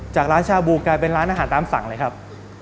จากร้านชาบูกลายเป็นร้านอาหารตามสั่งเลยครับ